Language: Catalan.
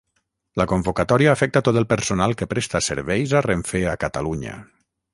La convocatòria afecta tot el personal que presta serveis a Renfe a Catalunya.